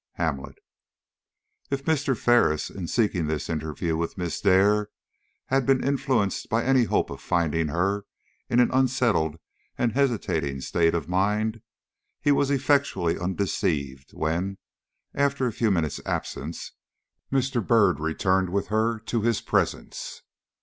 HAMLET. IF Mr. Ferris, in seeking this interview with Miss Dare, had been influenced by any hope of finding her in an unsettled and hesitating state of mind, he was effectually undeceived, when, after a few minutes' absence, Mr. Byrd returned with her to his presence.